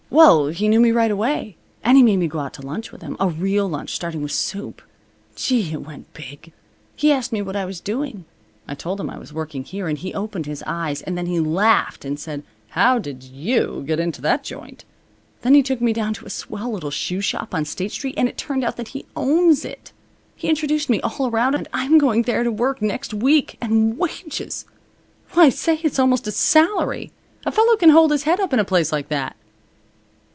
"Well, he knew me right away. And he made me go out to lunch with him. A real lunch, starting with soup. Gee! It went big. He asked me what I was doing. I told him I was working here, and he opened his eyes, and then he laughed and said: 'How did you get into that joint?' Then he took me down to a swell little shoe shop on State Street, and it turned out that he owns it. He introduced me all around, and I'm going there to work next week. And wages! Why say, it's almost a salary. A fellow can hold his head up in a place like that."